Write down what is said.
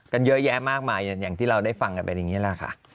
เยอะแยะมากมายอย่างที่เราได้ฟังกันเป็นอย่างนี้แหละค่ะ